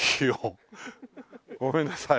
ごめんなさい。